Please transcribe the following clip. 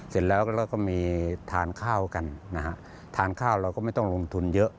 เสร็จแล้วก็มีทานข้าวกันนะฮะทานข้าวเราก็ไม่ต้องลงทุนเยอะ